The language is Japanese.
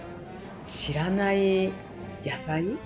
知らない野菜？